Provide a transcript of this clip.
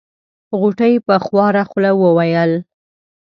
غوټۍ په خواره خوله وويل.